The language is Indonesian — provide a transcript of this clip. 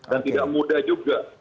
dan tidak mudah juga